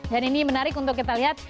dan ini menarik untuk kita lihat